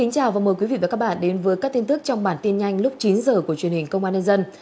chào mừng quý vị đến với bản tin nhanh lúc chín h của truyền hình công an nhân dân